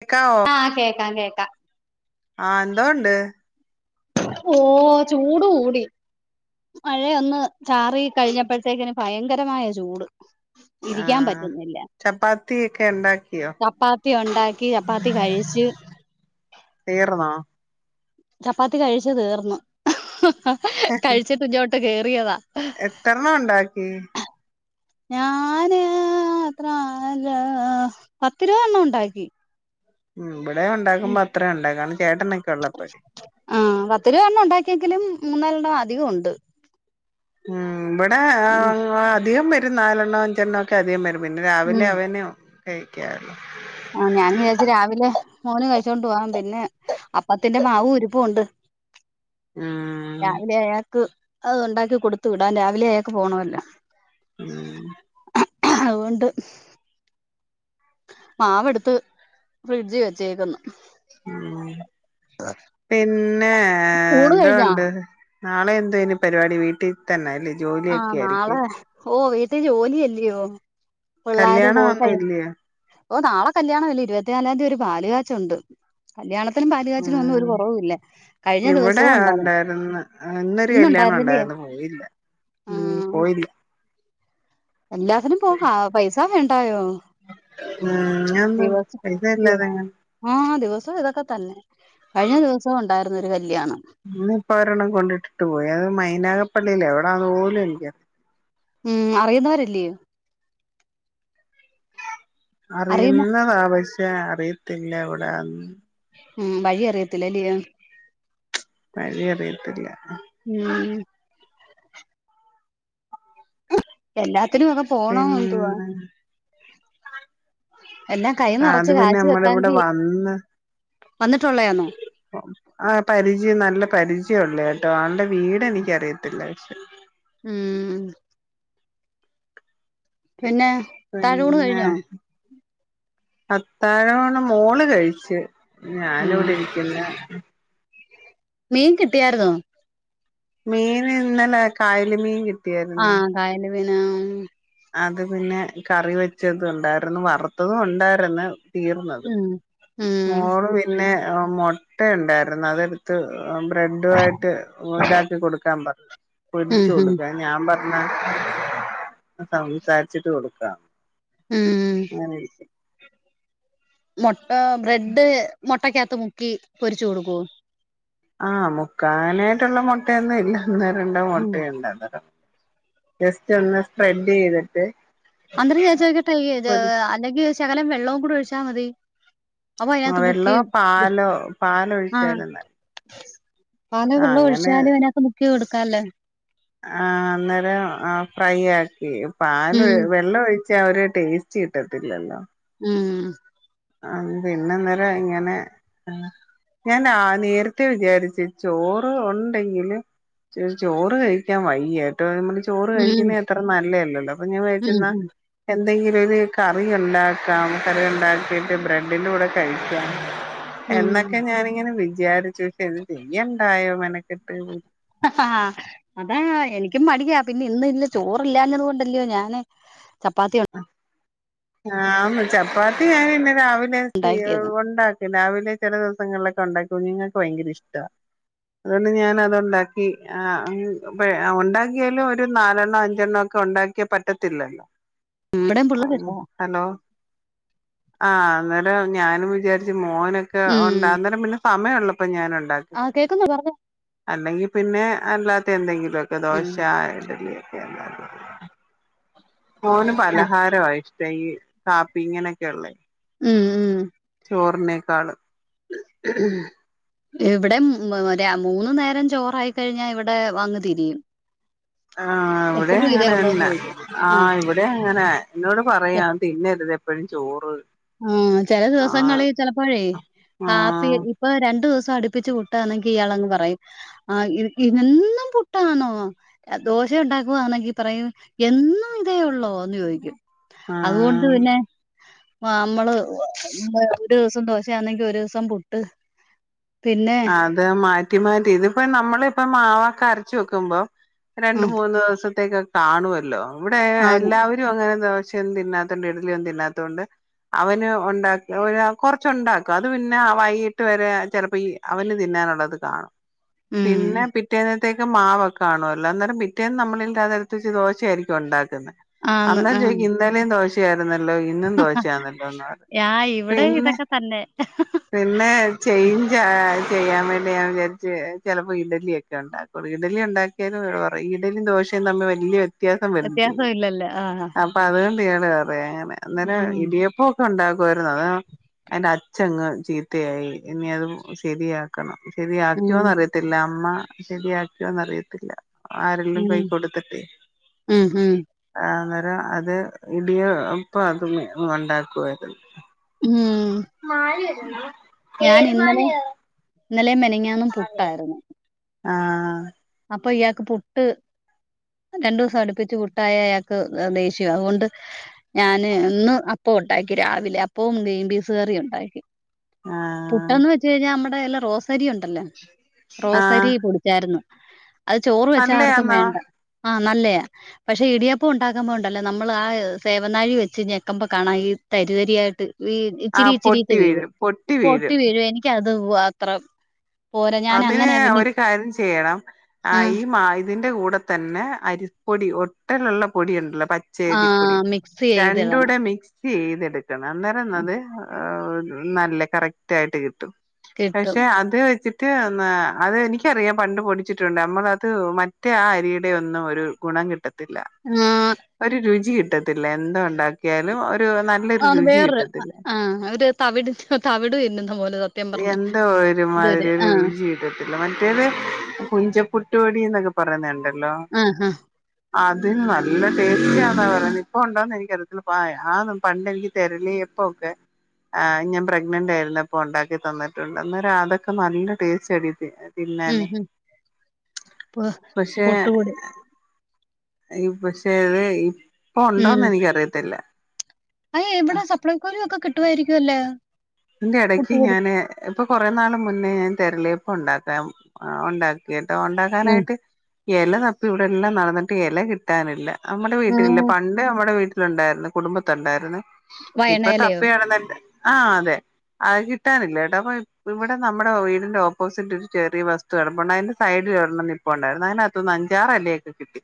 കേക്കാവോ ആഹ് കേക്കാം കേക്കാം ആഹ് എന്തോണ്ട് ഓ ചൂട് കൂടി മഴയൊന്ന് ചാറി കഴിഞ്ഞപ്പഴത്തേക്കിന് ഭയങ്കരമായ ചൂട് ഇരിക്കാൻ പറ്റുന്നില്ല ക്കെ എണ്ടാക്കിയോ ചപ്പാത്തിയൊണ്ടാക്കി ചപ്പാത്തി കഴിച്ച് തീർന്നോ ചപ്പാത്തി കഴിച്ചു തീർന്ന് കഴിച്ചിട്ടിഞ്ഞോട്ട് കേറിയതാ എത്രെണ്ണം ഒണ്ടാക്കി ഞാന് എത്രാല് പത്തിരുപതെണ്ണം ഉണ്ടാക്കി ഉം ഇവിടേം ഒണ്ടാക്കുമ്പോ അത്രേ ഒണ്ടാക്കും കാരണം ചേട്ടനൊക്കെ ഒള്ളപ്പഴേ ആഹ് പത്തിരുപതെണ്ണം ഉണ്ടാക്കിയെങ്കിലും മൂന്നാലെണ്ണം അധികം ഒണ്ട് ഉം ഇവിടെ ഉം അധികം വരും നാലെണ്ണോ അഞ്ചെണ്ണോ ക്കെ അധികം വരും പിന്നെ രാവിലെ ഉം അവനോ കഴിക്കാറുള്ളൂ ആഹ് ഞാൻ വിചാരിച്ച് രാവിലെ മോനു കഴിച്ചോണ്ട് പോവാം പിന്നെ അപ്പത്തിന്റെ മാവും ഇരിപ്പോണ്ട് [inaudible] ആഹ് രാവിലെ അയാൾക്ക് അത് ഉണ്ടാക്കി കൊടുത്തു വിടാം രാവിലെ അയാൾക്ക് പോണവല്ലോ ഉം ഒണ്ട് മാവെട്ത്ത് ഫ്രിഡ്ജി വെച്ചേക്ക്ന്ന് ഉം പിന്നെ ഊണ് എന്തോ കഴിഞ്ഞോ ഒണ്ട് നാളെ എന്തുവാ ഇനി പരിപാടി വീട്ടി തന്നാ അല്ലേ ജോലിയൊക്കെയായിരിക്കും ഓഹ് വീട്ടി ജോലിയല്ലിയോ പിള്ളാര് കല്യാണം പോട്ടെ ഒന്നും ഇല്ലയോ ഓ നാളെ കല്യാണവല്ലേ ഇരുപത്തിനാലാന്തി ഒര് പാല് കാച്ചുണ്ട് കല്യാണത്തിനും പാല് കാച്ചിനും ഒന്നും ഉം ഒരു കൊറവൂല്ല കഴിഞ്ഞ ദിവസോം ഒണ്ടാര്ന്നു ആഹ് ഇന്നൊര് കല്യാണവൊണ്ടാര്ന്നു പോയില്ല ഉം ആഹ് പോയില്ല എല്ലാത്തിനും പോ കാ പൈസാ വേണ്ടായോ ഉം [unintelligible] ദിവസം പൈസാ ഇല്ലാതെങ്ങനെ ആഹ് ദിവസവും ഇതൊക്കെ തന്നെ കഴിഞ്ഞ ദിവസവും ഉണ്ടായിരുന്നൊര് കല്യാണം ഇന്നിപ്പ ഒരെണ്ണം കൊണ്ടിട്ടിട്ട് പോയി അത് മൈനാഗപ്പള്ളീലോ എവിടാന്ന് പോലും എനിക്ക ഉം അറിയുന്നവരല്ലിയോ? അറിയുന്ന അറിയുന്നതാ പക്ഷെ അറിയത്തില്ല എവിടെയാന്ന് ഉം വഴിയറിയത്തില്ലല്ലിയോ വഴിയറിയത്തില്ല ഉം എല്ലാത്തിനും ഒക്കെ പോണോന്നെന്തുവാ പിന്നെ എല്ലാം കൈ അത് നെറച്ച് പിന്നെ കാശ് നമ്മടെ ഇവിടെ വെക്കാങ്കി വന്ന് വന്നിട്ടുള്ളയാന്നോ ആഹ് പരിചയം നല്ല പരിചയൊള്ളയാട്ടോ ആള്ടെ വീടെനിക്കറിയത്തില്ല പക്ഷെ ഉം പിന്നെ താഴൂണ് പിന്നെ കഴിഞ്ഞോ അത്താഴവൂണ് മോള് കഴിച്ച് ഉം ഞാനിവിടിരിക്ക്ന്ന് മീൻ കിട്ടിയാര്ന്നോ? മീനിന്നലെ കായല് മീൻ കി ആഹ് കായല് മീന് അത് പിന്നെ കറി വെച്ചതൊണ്ടാര്ന്നു വറുത്തതും ഒണ്ടാര്ന്ന് തീർന്നത് ആഹ് മോള് പിന്നെ മൊട്ടയുണ്ടാര്ന്ന് അതെട്ത്ത് ആഹ് ബ്രെഡുവായിട്ട് ഇതാക്കി കൊട്ക്കാൻ പ ഉം പൊരിച്ച് ഉം കൊട്ക്കാൻ ഞാൻ പർഞ്ഞ് സംസാരിച്ചിട്ട് കൊട്ക്കാ ഉം ഞാനെ മൊട്ട ബ്രെഡ് മൊട്ടക്കാത്ത് മുക്കി പൊരിച്ച് കൊട്ക്കോ? ആഹ് മുക്കാനായിട്ട്ള്ള മൊട്ടയൊന്നുല്ല ഒന്നോ രണ്ടോ ഉം മുട്ടയുണ്ട് അതാ ജസ്റ്റൊന്ന് സ്പ്രെഡെയ്തിട്ട് അന്നേരം ചേച്ചോയ്ക്കട്ടെ ഇ എ അല്ലെങ്കി ശകലം വെള്ളോം കൂടി ഒഴിച്ചാ മതി അപ്പൊ ആഹ് അതിനകത്ത് മുക്കി വെള്ളോ പാലോ പാലൊയിച്ചാലും ന പാലോ വെള്ളൊഴിച്ചാല് അയ്നാത്ത് മുക്കി കൊട്ക്കാല്ലോ ആഹ് അന്നേരം ആഹ് ഫ്രൈയാക്കി പല് ഉം വെള്ളൊഴി ച്ചാ ഒര് ടേസ്റ്റ് കിട്ടത്തില്ലല്ലോ ഉം ആഹ് പിന്നെന്നലെ ഇങ്ങനെ ആഹ് ഞാൻ ന്നാ ആഹ് നെരത്തെ വിചാരിച്ച് ചോറ് ഉണ്ടെങ്കില് ചൊ ചോറ് കഴിക്കാൻ വയ്യ ട്ടോ നമ്മള് ചോറ് ഉം കഴിക്കുന്ന് അത്ര നല്ലല്ലല്ലോ അപ്പൊ ഞാൻ ഉം വിചാരിച്ച്ന്നാ ഉം എന്തെങ്കിലൊര് കറി ഉണ്ടാക്കാം കറി ഉണ്ടാക്കീ ട്ട് ബ്രെഡിൻ്റൂടെ കഴിക്ക ഉം എന്നൊക്കെ ഞാനിങ്ങനെ വിചാരിച്ചു ഇത് ചെയ്യണ്ടായോ മെനക്കെട്ട് അതാ എനിക്കും മടിയാ പിന്നെന്ന് ഇന്ന് ചോറില്ലാഞ്ഞത് കൊണ്ടല്ലോ ഞാന് ചപ്പാത്തി ആഹ്, ചപ്പാത്തി ഞാനിന്നുരാവിലെ ഉണ്ടാക്കിയത് യുണ്ടാ രാവിലെ ചില ദിവസങ്ങളിലൊക്കെയുണ്ടാക്കും കുഞ്ഞുങ്ങൾക്ക് ഭയങ്കരയിഷ്ട അതുകൊണ്ടു ഞാനതുണ്ടാക്കി, ആഹ് ഉണ്ടാക്കിയാലും ഒരു നാലെണ്ണം അഞ്ചെണ്ണമൊക്കെയുണ്ടാ [unintelligible] പറ്റത്തില്ലലോ മ്മടെ പുള്ളേരപോ ഹലോ ആഹ് അന്നേരം ഞാനും വിചാ മോനൊക്കെയുണ്ടാ ഉം അന്നേരം പിന്നെ സമയള്ളപ്പോ ഞാൻ ഉണ്ടാ ആഹ്, കേൾക്കുന്നു പറഞ്ഞോ അല്ലെങ്കി പിന്നെ അല്ലാത്ത എന്തെങ്കിലുമൊക്കെ ഉം ദോശ, ഇഡ്ഡലിയൊക്കെ യെല്ലാ ആഹ് മോനുപലഹാരവാ ഇഷ്ടം, ഈ കാപ്പി ഇങ്ങനെയൊക്കെഇള്ളേ ഉം ഉം ചോറിനേക്കാളും എവിടെ മറ്റെ മൂന്നു നേരം ചോറായിക്കഴിഞ്ഞാ ഇവിടെയങ്‌ തിരിയും ആഹ് എപ്പോഴും ഇതേ ഇവിടെയുങ്ങനെ ഉള്ളൂന്ന് ന്നാ, ചോദിക്കും ആഹ് ആഹ്‌, ഇവിടെയങ്ങനെ എന്നോടുപറയാ തിന്നരു തെപ്പളും ചോറ് ഉം ചല ആഹ് ദിവസങ്ങളി ചിലപ്പോഴേ കാപ്പി. ആഹ് ഇപ്പൊ രണ്ടു ദിവസമടുപ്പിച്ചു പുട്ടാണെങ്കിൽ ഇയാളങ്ങു പറയും ആഹ് ഇനിക്കി ഇതെന്നും പുട്ടാണോ ദോശയുണ്ടാക്കുകയാണെങ്കിൽ പറയും, എന്നു മിതേയുള്ളോന്ന് ചോയിക്കും. അതോണ്ട് ആഹ് പിന്നെ ആഹ്, നമ്മള് ഒരു ദിവസം ദോശയാണെങ്കിൽ ഒരു ദിവസം പുട്ട് പിന്നെ അത് മാറ്റി മാറ്റി ഇതിപ്പോ ആ നമ്മളിപ്പംമാവൊക്കെയരച്ചുവെക്കുമ്പംരണ്ടുമൂന്നു ദിവസ സത്തേക്കു കാണുല്ലോ ആന്ന് ഇവിടെയെല്ലാവരുമങ്ങനെ ദോശയൊന്നും തിന്നാത്തകൊണ്ട് ഇഡ്ഡലിയൊന്നും തിന്നാത്ത കൊണ്ട് അവന് ഉണ്ടാക്കും കൊറച്ചുണ്ടാക്കു അതുപിന്നെ വൈകിട്ടുവരെ ചെലപ്പോ ഈ അവനുതിന്നാനുള്ളതു കാണും ഉം പിന്നെ പിറ്റേ ത്തേക്കു മാവൊക്കെ കാണുല്ലോ അന്നേരം പിറ്റേന്നു നമ്മളതെടുത്തു വച്ച് ദോശയായിരിക്കു മുണ്ടാക്കുന്നത് ആന്ന് അന്നേരം ആ ചോദിക്കും ഇന്നലേയും ദോശ ദോശയായിരുന്നല്ലോ ഇന്നും ദോശയാണല്ലോന്നു പറയും ആ ഇവിടെ പിന്നെ ഇതൊക്കെ തന്നെ പിന്നെ ചെയ്ജ ചെയ്യാൻ വേണ്ടി ഞാൻ വിചാരിച്ച് ചെലപ്പോ ഇഡ്ഡലിയൊക്കെയുണ്ടാക്കും ഇഡ്ഡലിയുണ്ടാക്കിയാലും അവർ ഇഡ്ഡലിയും ദോശയും തമ്മിൽ വലിയ വ്യത്യാസം വ്യത്യാസം വരുന്നില്ലലൊ ഇല്ലല്ലോ ആ അപ്പൊ അതുകൊണ്ടാണ് പറയണേ അന്നേരം ഉം ഇടിയപ്പോ ഉണ്ടാക്കുവായിരുന്നു അത്അതിന്റെ അച്ഛങ്ങുചീത്തയായി ഇനിയതുശരിയാ ക്കണം ഉം ശരിയാക്കിയോന്നറിയത്തില്ല അമ്മ ശരിയാക്കിയോന്നറിയത്തില്ല ആരെങ്കിലും ഉം കൈയ്യിൽ കൊടുത്തിട്ടെ ഉം ഉം ആഹ് അന്നേരം അത് ഇടിയപ്പ അത് ഉണ്ടാക്കുവായിരുന്നു ഉം മാലായായിരുന്നോ ഏത് മാലയ ഇന്നലെയും മിനിഞ്ഞാന്നും പുട്ടായിരുന്നു ആഹ് അപ്പൊ ഇയാൾക്കു പുട്ട് രണ്ടു സമടുപ്പിച്ചു പുട്ടായാൽ അയാൾക്കു ദേഷ്യ അതുകൊണ്ട് ഞാനിന്ന് അപ്പമുണ്ടാക്കി രാവിലെ അപ്പവുംഗ്രീൻ ബീൻസ് കറിയുമുണ്ടാക്കി ആഹ് പുട്ടെന്നുവെച്ചു കഴിഞ്ഞാൽ നമ്മടെ എല്ലാം റോസരിയുണ്ടല്ലേ ആഹ് റോസരി പൊടി പൊടിച്ചായിരുന്നു അത് ചോറുവെച്ചാലാർക്കും നല്ലയാന്നോ വേണ്ട ആഹ് നല്ലയ പക്ഷെയിടിയപ്പം ഉണ്ടാക്കുമ്പോളുണ്ടല്ലോ നമ്മളാ സേവനാഴിവെച്ച് ഞെക്കുമ്പോ കാണാ ഈ തരി തരിയായിട്ട് ആ ഇച്ചിരി പൊട്ടി ഇച്ചിരീചവീഴും വീഴും വീഴും പൊട്ടി വീഴുമെനിക്കതത്ര അതിനൊരു കാര്യം ചെയ്യണം ആഹ് ഈമാവി ഇതിന്റെ കൂടെ ത തന്നെ അരിപ്പൊടി ഒട്ടലുള്ള പൊടിയുണ്ടല്ലോ പച്ച പച്ചയരിപ്പൊടി ആഹ് മിക്സ് ചെയ്തിടണം രണ്ടൂടെ മിക്സ് ചെയ്തെടുക്കണം അന്നേരം അത് നല്ല കറക്റ്റ് ആയിട്ട് കിട്ടും കിട്ടും. പക്ഷെ അത് വെച്ചിട് മറ്റ അത് എനിക്കറിയാം പണ്ട് പൊടിച്ചിട്ടുണ്ട് നമ്മള് അത് മറ്റേ ആ അരിയുടെ ഒന്നും ഒരു ഗുണം കിട്ട ട്ട ത്തില്ല ആഹ് ഒരു രുചി കിട്ടത്തില്ല എന്ത് ഉണ്ടാക്കിയാലും ഒരു നല്ല ആത് വേറെ ആഹ് ഒര് തവിട് തവിട് തിന്നുന്ന പോലെ സത്യം പറഞ്ഞാൽ എന്തോ ഒരുമാതിരി ഒരു രുചി ഇട്ടത്തില്ല മറ്റേത് കുഞ്ചപ്പുട്ടപൊടിന്നൊക്കെ പറയുന്നുണ്ടല്ലോ ആഹ് ആഹ് അതിന് നല്ല ടേസ്റ്റിന്നാ പറയുന്നേ ഇപ്പ ഉണ്ടോന്ന് എനിക്കറിയത്തില്ല പായ ആതും പണ്ട് എനിക്ക് തരലി അപ്പം എപ്പോക്കെ ആഹ് ഞാൻ പ്രെഗ്നന്റ് ആയിന്നപ്പോ ഉണ്ടാക്കി തന്നിട്ടുണ്ട് അന്നേരം അതോ ക്കെ നല്ല ടേസ്റ്റാടി ഉം തിന്നാന് ഉം പു പക്ഷെ പുട്ടുപൊടി പക്ഷേ അത് ഇപ്പൊ ഉണ്ടോന്ന് എനിക്കറിയത്തില്ല അയ ഇവിടെ സപ്ലൈക്കൊലൊക്കെ കിട്ടുയിരിക്കു വെല്ലൊ ഇതിന്റെ എടയ്ക്ക് ഞാന് ഇപ്പൊ കുറെേ നാള് മുന്നേ ഞാൻ തിരളേപ്പം ഉണ്ടാക്കാം ഉണ്ടാക്ക ക്കി കേട്ടൊ ഉം ഉണ്ടാക്കാനായിട്ട് എല തപ്പി ഇവിടെ എല്ലാം നടന്നിട്ട് എല കിട്ട ട്ട നില്ല നമ്മുടെ വീട്ടിലില്ല ആഹ് പണ്ട് നമ്മടെ വീട്ടിലുണ്ടായിരുന്നു കുടുംബത്തുണ്ടായിരുന്നു ഇപ്പ വയണയിലയോ തപ്പി നടന്നിട്ട് ആഹ് അതെ അത് കിട്ടാനില്ല കേട്ടാ ഇവടെ നമ്മുടെ വീടിന്റെ ഓപ്പോസിറ്റ് ഒരു ചെറിയ വസ്തു കടപ്പണ്ട് അതിന്റെ സൈഡില് ഒരണം പി പ്പുണ്ടായിരുന്നു അതിനകത്ത്ന്ന് അഞ്ചാറ് എലയൊ കിട്ടി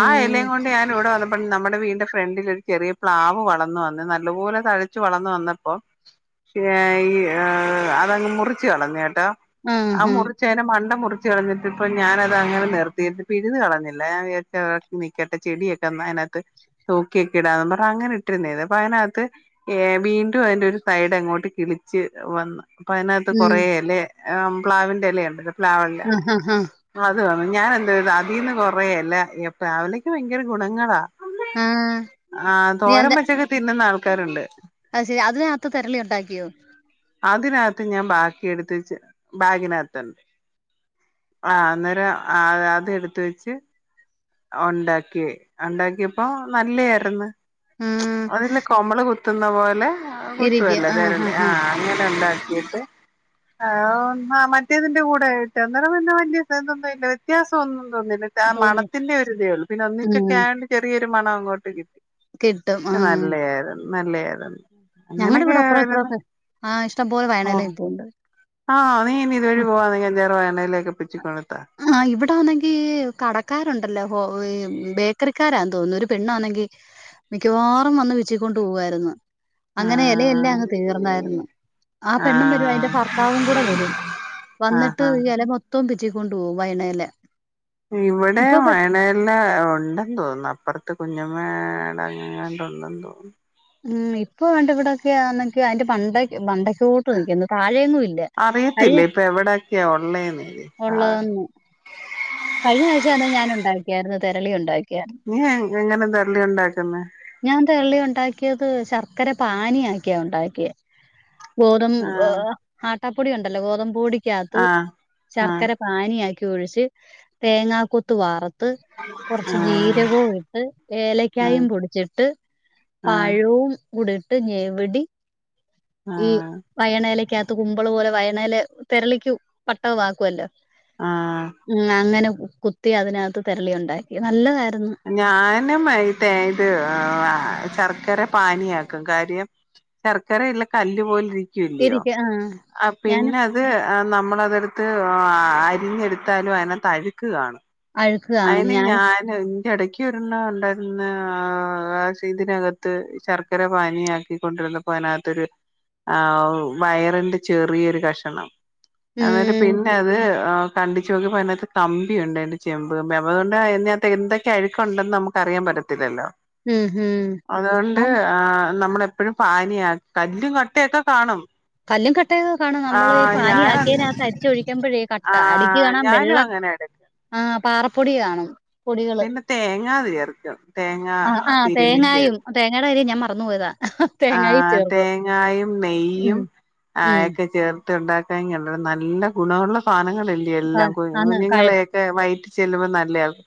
ആ എലയും കൊണ്ട് ഞാൻ ഇവിടെ വന്ന അപ്പം നമ്മുടെ വീടിന്റെ ഫ്രണ്ടില് ഒരു ചെറിയ പ്ലാവ് വളന്ന് വന്ന് നല്ലപോലെ തഴച്ച് വളന്ന് വന്നപ്പം [unintelligible] അതങ്ങ് മുറിച്ച് കളഞ് കേട്ടോ ആഹ് ആഹാ! മുറി പക്ഷേ അയിന്റെ മണ്ട മുറിച്ച് കളഞ്ഞിട്ട്പ്പ ഞാന അത് അങ്ങനെ നിർത്തിട്ട് പ്പ ഇരുന്ന് കളഞ്ഞില്ല [unintelligible] നിക്കട്ടെ ചെടിയൊക്കെ ഒന്ന് അയ്നകത്ത് തൂക്കിയൊക്കെ [unintelligible] അങ്ങനെ ഇട്ടിരുന്നേ അത് അപ്പൊ അയ്നകത്ത് ഏഹ് വീണ്ടും അതിന്റെ ഒരു സൈഡ് അങ്ങോ കിളിച്ച് വന്ന് അപ്പ അയ്നകത്ത് കൊറെ എല പ്ലാവിന്റെ ഇല പ്രവ്ലാല്ല ആഹാഹാ! [unintelligible] ഞാൻ എന്തയ്തു അതീന്ന് കൊറെ എല പ്ലാവിലക്ക് ഭയങ്കര ഗുണങ്ങളാ ആ! ആഹ് നീ തോരൻ അത് വെച്ചോക്കെ തിന്നുന്ന ആൾക്കാരുണ്ട് അത് ശെരി അതിനകത്ത് തെരളി ഇണ്ടാക്കിയോ അതിനകത്ത് ഞാൻ ബാക്കി എടുത്ത് വെച്ച് ബാഗിനകത്ത്ണ്ട് ആഹ് അന്നേരം ആഹ് അത് എടുത്ത് വെച്ച് ഒണ്ടാക്കി ഇണ്ടാക്കിയപ്പോ നല്ലയായിര്ന്ന് ആ. അതില്ല കൊമ്മള് കു ത്തുന്ന പോലെ ഇരിക്കും. കുത്തുവല്ലേ തെരള് ആഹാഹാ! ആഹ് അങ്ങനെ ഉണ്ടാക്കിട്ട് [unintelligible] [unintelligible] മറ്റേതിന്റെ കൂടെ കിട്ടാ അന്നേരം പിന്നെ വല്ല്യേ [unintelligible] വ്യത്യാസം ഒന്നും തോന്നില്ല തോന്നി ഒരുതേ ഒള്ളൂ പിന്നെ ഒന്നിച്ചൊക്കെ ആയോണ്ട് ചെറിയൊരു മണം അങ്ങോട്ട് കിട്ടി കിട്ടും. ആ. പക്ഷെ നല്ലേ [unintelligible] നല്ലേയായിരുന്നു ഞങ്ങടെ ഇവടെ അപ്പറും ഇപ്പോറൊക്കെ ആഹ് ഇഷ്ടം പോലെ [unintelligible] പോവ്ണ്ട് ആഹ് നീ ഇനി ഇതുവഴി [unintelligible] ആഹ് ഇവടെ ആണെങ്കി കടക്കാരുണ്ടല്ലേ ബേക്കറിക്കാരാന്ന് തോന്നുന്നു ഒരു പെണ്ണ് വന്നെങ്കി മിക്കവാറും വന്ന് വീച്ചിക്കൊണ്ട് പോവായിരുന്നു ആ അങ്ങനെ ഇലയല്ലാം അങ്ങ് തീർന്നായിരുന്നു ആ പെണ്ണും വരും അയ്ന്റെ ഭർത്താവും കൂടെ വരും ആ വന്നിട്ട് ആ ഈ ഇല മൊത്തം പിച്ചിക്കൊണ്ട് പോകും [unintelligible] ഇവടെ വൈണെല ഉണ്ട് തോന്നുന്നു അപ്പുറത്ത് കുഞ്ഞമേട അങ്ങങ്ങാണ്ട് ഉണ്ടന്ന് തോന്നു ഉം ഇപ്പൊ വേണ്ട ഇവിടെക്കെ [unintelligible] അയ്ന്റെ പണ്ട് പണ്ടക്കെ കൂ [unintelligible] താഴെയൊന്നും ഇല്ല കഴിഞ്ഞ അറിയത്തില്ല ഇപ്പൊ എവിടൊക്കെയാ ഉള്ളേന്ന് സാധനം [unintelligible] കഴിഞ്ഞ പ്രാവശ്യാന്നെ ഞാൻ ഉണ്ടാക്കിയായിരുന്നു തെരളി ഉണ്ടാക്കിയാ നീ എ എങ്ങനെ തെരളി ഉണ്ടാക്കുന്നെ? ഞാൻ തെരളി ഉണ്ടാക്കിയത് ശർക്കര പാനിയാക്കിയാ ഉണ്ടാക്കിയെ ഗോതമ്പ ആഹ് ആട്ടാപ്പൊടി കണ്ടല്ലോ ഗോതമ്പ് പൊടിക്കകത്ത് ആഹ് ആഹ് ശർക്കര പാനിയാക്കി ഒഴിച്ച് തേങ്ങ കൊത്ത് വറത്ത് കോർച്ച് ജീ ആഹ് രകോം ഇട്ട്, ഏലക്കായും ആഹ് പൊടിച്ചിട്ട് ആഹ് പഴവും കൂടട്ട് ഞ്ഞെവിടി ഈ ആഹ് വയണെലെക്കകത്ത് കുമ്പളും അത് പോലെ വയണെയില തെരളിക്ക് പട്ടകമാക്കുവല്ലോ ആഹ് ഉം അങ്ങനെ കുത്തി അതിനകത്ത് തെരളി ഉണ്ടാക്കി നല്ലതായിരുന്നു. ഞാനും [unintelligible] ശർക്കര പാനിയാക്കും കാര്യം ശർക്കര ഇല്ല് കല്ല് പോലെ ഇരിക്ക്യോല്ല്യോ എരിക്ക ആഹ് ആഹ് ഞാന് പിന്നെ അത് നമ്മള് അതെടുത്ത് അരിഞ്ഞെടുത്താലും അയ്നകത്ത് അഴുക്ക് കാണും അഴുക്ക് കാണും അയിന് ഞാൻ ഇതിന്റെ എടക്ക് ഒരെണ്ണം ഉണ്ടായിരുന്ന ഇതിനകത്ത് ശർ ർക്കര പാനിയാക്കികൊണ്ടിരുന്നപ്പോ അതിനകത്തൊരു ആ വയറിന്റെ ചെറിയൊരു കഷണം. ഇന്നട്ട് ഉം പിന്നെ അത് കണ്ടിച്ചു നോക്കിപ്പോ അതിനകത്ത് കമ്പിയുണ്ട് അന്റെ ചെ തുരുമ്പി അപ്പൊ അതൊണ്ട് അതിനകത്ത് എന്തൊക്കെ അഴുക്കുണ്ടെന്ന് നമുക്ക് അറിയാൻ പറ്റത്തില്ലല്ലോ ഉം ഉം അതുകൊണ്ട് ആ നമ്മളെ എപ്പഴും പാനിയാക്ക കല്ലും കട്ടയൊക്കെ കാണും. കല്ലും കട്ടയൊക്കെ കാണും നമ്മള് ഈ ആഹ് ഞാൻ പാനിയക്കിയതിനകത്ത് അരിച്ചൊഴിക്കുമ്പഴേ ഈ കട്ട അടുക്കി കാണാൻ വെള്ള മേഡ് ആഹ് പാറപ്പൊടി കാണും. പൊടികള് പിന്നെ തേങ്ങ ചേർക്കും തേങ്ങാ തിരുമ്മി ചേ തേങ്ങാട കാര്യം ഞാൻ മറന്നു പോയതാ ആ തേങ്ങായും ചേർക്കും തേങ്ങായും ഉം നെയ്യും ഉം ഒക്കെ ചേർത്ത് ഉണ്ടാക്കാത് നല്ല ഗുണമുള്ള സാനങ്ങളല്ലേ ആ എല്ലാം ആന്ന് കഴ കുഞ്ഞുങ്ങള് ക്കെ വൈറ്റി ചെല്ലുമ്പോ നല്ലയാകും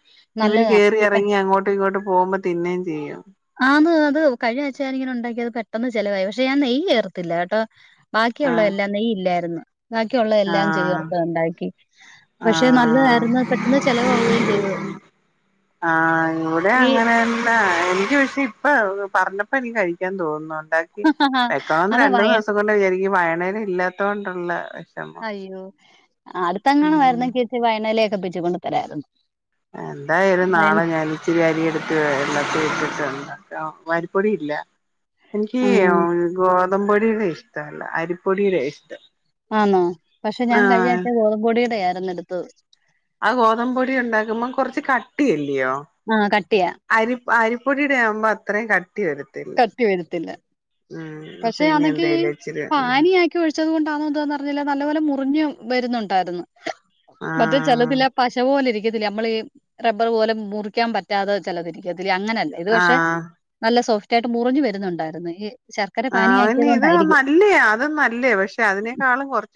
ഇവര് കേറി നല്ലതാ ഇറങ്ങി അങ്ങോട്ടും ഇങ്ങോട്ട് പോകുമ്പോ തിന്നേയും ചെയ്യും. ആന്ന് അത് കഴിഞ്ഞ ആഴ്ച ഞാൻ ഇങ്ങനെ ഉണ്ടാക്കി അത് പെട്ടെന്ന് ചെലവായി. പക്ഷെ ഞാൻ നെയ്യ് ചേർത്തില്ലട്ടോ. ആ ബാക്കിയുള്ളതെല്ലാം നെയ്യ് ഇല്ലായിരുന്നു ആ ബാക്കിയുള്ളതെല്ലാം ചേർത്ത ഉണ്ടാക്കി. ആ പക്ഷെ നല്ലതായിരുന്നു പെട്ടെന്ന് ചെലവാകുകയും ചെയ്തു. ആ ഇവിടെ ഈ അങ്ങനെന്നെ എനിക്ക് പക്ഷെ ഇപ്പൊ പറഞ്ഞപ്പോ എനിക്ക് കഴിക്കാൻ തോന്നുന്നുണ്ട് വെക്കണന്ന് അതാ വയ രണ്ടൂന്ന് ദിവസം കൊണ്ട് വിചാരിക്കും വയന ഇല ഇല്ലാത്ത കൊണ്ടുള്ള വിഷമം. അയ്യോ അടുത്തങ്ങാനു ഉം മായിരുന്നങ്കിൽ ഇച്ചി വയനലൊക്കെ പിച്ചി കൊണ്ട് തരായിരുന്നു. എന്തായാലും വയന നാളെ ഞാന് ഇച്ചിരി അരി എടുത്ത് വെള്ളത്തിലിട്ടിട്ട് ഇട്ടിട്ട്ണ്ട. അരിപ്പൊടി ഇല്ല എനിക്ക് ഉം ഗോതമ്പ പൊടിയുടെ ഇഷ്ടല്ല അരിപ്പൊടിയുടെ ഇഷ്ടം. ആന്നോ പക്ഷെ ഞാൻ കഴിഞ്ഞ ആഹ് ആഴ്ച്ച ഗോതമ്പു പൊടിടെ ആയിരുന്നു എടുത്തത്. അഹ് ഗോതമ്പപൊടി ഉണ്ടാക്കുമ്പോ കൊറച്ച് കട്ടിയല്ലിയോ ആ കട്ടിയാ. അരി അരിപ്പൊടിയുടെ ആവുമ്പോ അത്രയും കട്ടി വരു കട്ടി വരത്തില്ല അപ്പൊ പക്ഷെ ഇനി അന്നെങ്കി എന്തേലും ഇച്ചിരി പാനി ആ ഒഴിച്ചത് കൊണ്ടാണോ എന്തന്നറിഞ്ഞില്ല നല്ലപോലെ മുറിഞ്ഞു വരുന്നുണ്ടായിരുന്നു. ആഹ് ചെലതില് പശ പോലെ ഇരിക്കത്തില്ല നമ്മളീ റബ്ബർ പോലും മുറിക്കാൻ പറ്റാതെ ചിലതിരിക്കത്തില്ല അങ്ങനെല്ല ഇത് പക്ഷെ ആഹ് നല്ല സോഫ്റ്റ് ആയിട്ട് മുറിഞ്ഞു വരുന്നുണ്ടായിരുന്നു ഈ ശർ ആഹ് അയ്‌ന് ഇത് നല്ലേ അതും നല്ല പക്ഷെ അതിനേക്കാളും അതിനേക്കാളും കുറ